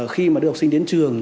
khi mà đưa học sinh đến trường